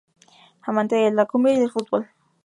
Amante de la cumbia y del fútbol.